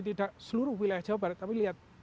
tidak seluruh wilayah jawa barat tapi lihat